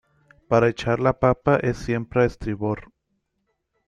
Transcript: para echar la papa es siempre a estribor